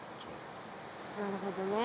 なるほどね。